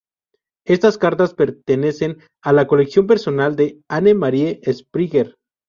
Estas cartas pertenecen a la colección personal de Anne-Marie Springer.